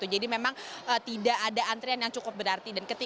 jadi memang tidak ada antrian yang cukup berarti